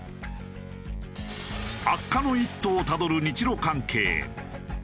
悪化の一途をたどる日露関係。